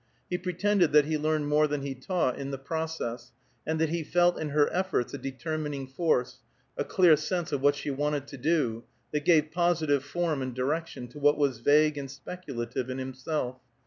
He pretended that he learned more than he taught in the process, and that he felt in her efforts a determining force, a clear sense of what she wanted to do, that gave positive form and direction to what was vague and speculative in himself.